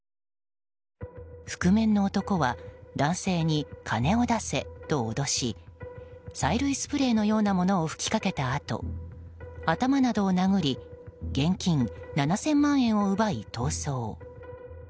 覆面の男は男性に金を出せと脅し催涙スプレーのようなものを吹きかけたあと頭などを殴り現金７０００万円を奪い逃走。